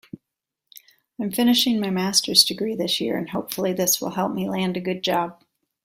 I'm finishing my masters degree this year and hopefully this will help me land a good job.